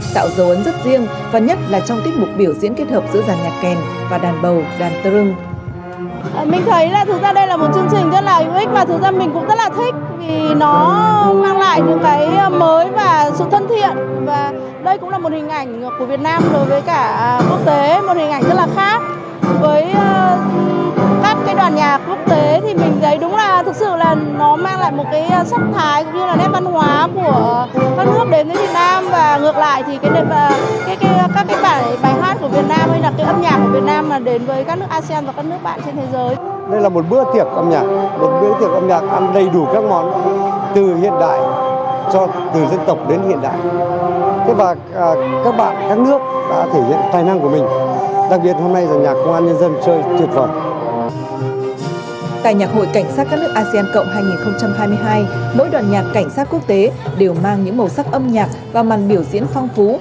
tại nhạc hội cảnh sát các nước asean cộng hai nghìn hai mươi hai mỗi đoàn nhạc cảnh sát quốc tế đều mang những màu sắc âm nhạc và màn biểu diễn phong phú